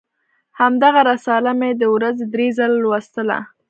همدغه رساله مې د ورځې درې ځله لوستله.